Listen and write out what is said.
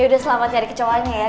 ya udah selamat nyari kecoanya